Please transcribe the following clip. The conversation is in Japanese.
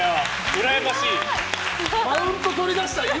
うらやましい。